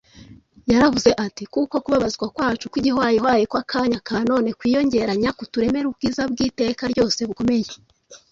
Yaravuze ati, “Kuko kubabazwa kwacu kw’igihwayihwayi kw’akanya ka none kwiyongeranya kuturemera ubwiza bw’iteka ryose bukomeye.